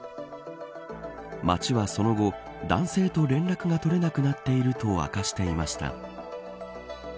町はその後男性と連絡が取れなくなっていると明かしていました。